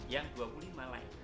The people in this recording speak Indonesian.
yang dua puluh lima like